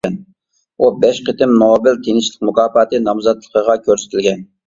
ئۇ بەش قېتىم نوبېل تىنچلىق مۇكاپاتى نامزاتلىقىغا كۆرسىتىلگەن.